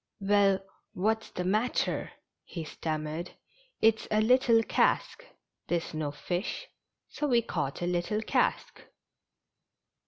"Well, what's the matter? " he stammered. " It's a little cask — there's no fish, so we caught a little cask."